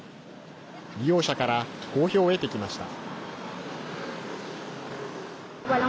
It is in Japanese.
利用者から好評を得てきました。